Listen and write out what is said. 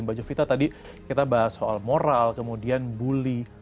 mbak jovita tadi kita bahas soal moral kemudian bully